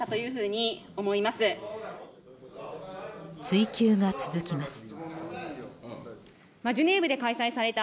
追及が続きます。